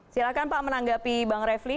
silahkan pak menanggapi bang refli